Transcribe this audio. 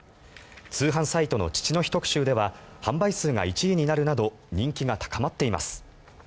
通販サイトの父の日特集では販売数が１位になるなど人気が高まっています。